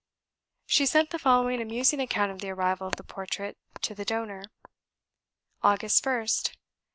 She sent the following amusing account of the arrival of the portrait to the donor: "Aug. 1st.